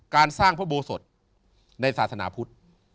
การสร้างพระโบสถในศาสนาพุทธ